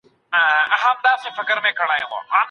که هدف ټاکل سوی وي نو هڅه نه ضایع کېږي.